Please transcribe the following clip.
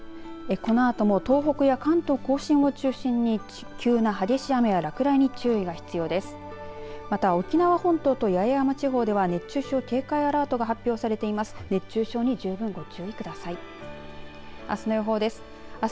このあとも東北や関東甲信を中心に急な激しい雨や落雷に注意が必要です。